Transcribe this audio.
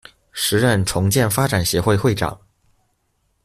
時任重建發展協會會長